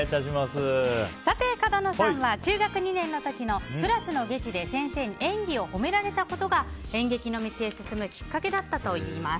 角野さんは中学２年の時のクラスの劇で先生に演技を褒められたことが演劇の道へ進むきっかけだったといいます。